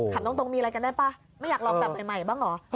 ถามตรงมีอะไรกันได้ป่ะไม่อยากลองแบบใหม่บ้างเหรอ